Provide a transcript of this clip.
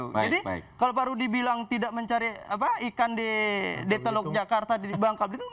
jadi kalau pak rudi bilang tidak mencari ikan di teluk jakarta di bangka blitung